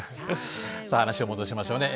さあ話を戻しましょうね。